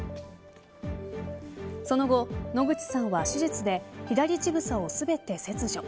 その後、野口さんは手術で左乳房を全て切除。